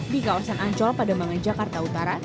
di kawasan ancol pada mangan jakarta utara